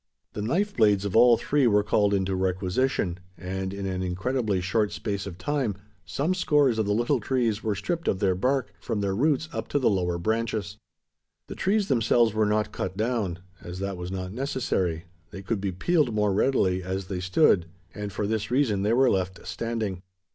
The knife blades of all three were called into requisition; and in an incredibly short space of time, some scores of the little trees were stripped of their bark from their roots up to the lower branches. The trees themselves were not cut down; as that was not necessary. They could be peeled more readily, as they stood; and for this reason they were left standing.